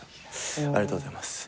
ありがとうございます。